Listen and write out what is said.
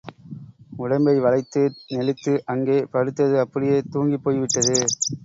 உடம்பை வளைத்து, நெளித்து அங்கே படுத்தது அப்படியே தூங்கிப் போய்விட்டது.